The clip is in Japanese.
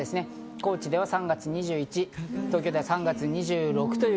高知では３月２１日、東京では３月２６日。